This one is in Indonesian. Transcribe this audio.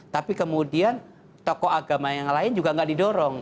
tapi kemudian tokoh agama yang lain juga nggak didorong